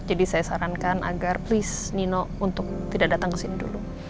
jadi saya sarankan agar please nino untuk tidak datang kesini dulu